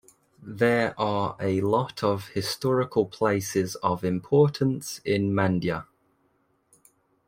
There are a lot of historical places of importance in Mandya.